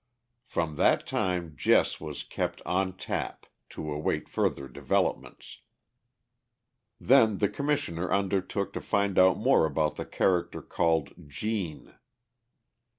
From that time Jess was kept "on tap," to await further developments. Then the Commissioner undertook to find out more about the character called "Gene."